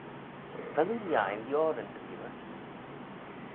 Vel oo lhaih lioaryn dy liooar?